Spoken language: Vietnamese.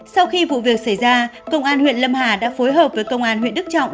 sau khi vụ việc xảy ra công an huyện lâm hà đã phối hợp với công an huyện đức trọng